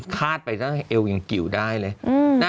คาดไปตั้งเอวยังกิวได้เลย